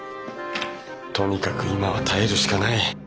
とにかく今は耐えるしかない。